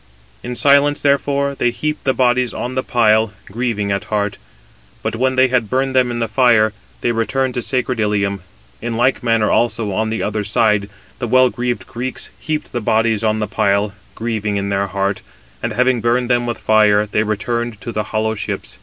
In silence, therefore, they heaped the bodies on the pile, grieving at heart. But when they had burned them in the fire, they returned to sacred Ilium. In like manner also, on the other side, the well greaved Greeks heaped the bodies on the pile, grieving in their heart; and having burned them with fire, they returned to the hollow ships.